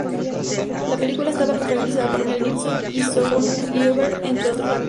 La película estaba protagonizada por Mel Gibson y Sigourney Weaver, entre otros actores.